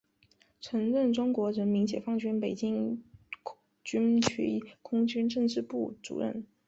曾任中国人民解放军北京军区空军政治部主任。